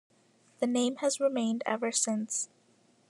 The name has remained ever since.